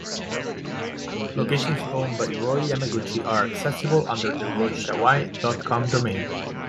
Locations owned by Roy Yamaguchi are accessible under the royshawaii dot com domain.